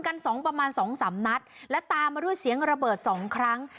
สองประมาณสองสามนัดและตามมาด้วยเสียงระเบิดสองครั้ง